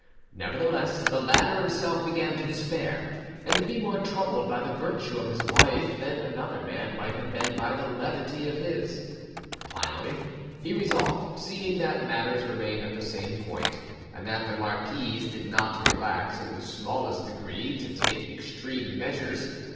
Nevertheless, the latter himself began to despair, and to be more troubled by the virtue of his wife than another man might have been by the levity of his. Finally, he resolved, seeing that matters remained at the same point and that the marquise did not relax in the smallest degree, to take extreme measures.